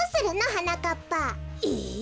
はなかっぱ。え。